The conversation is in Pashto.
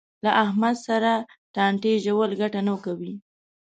له احمد سره ټانټې ژول ګټه نه کوي.